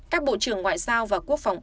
các bộ trưởng ngoại giao và quốc phòng